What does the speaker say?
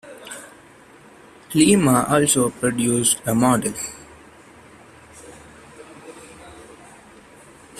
Lima also produced a model.